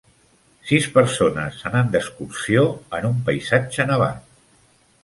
Sis persones anant d'excursió en un paisatge nevat